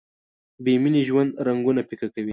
بې مینې ژوند رنګونه پیکه کوي.